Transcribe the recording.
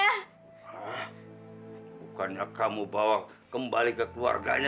bukannya kamu bawa kembali ke keluarganya